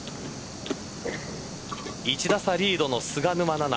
１打差リードの菅沼菜々。